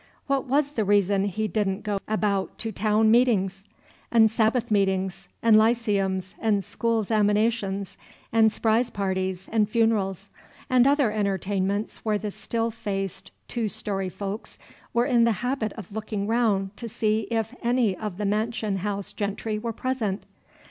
What was the reason he did n't go abaout to taown meetin's 'n' Sahbath meetin's, 'n' lyceums, 'n' school 'xaminations, 'n' s'prise parties, 'n' funerals, and other entertainments where the still faced two story folks were in the habit of looking round to see if any of the mansion house gentry were present?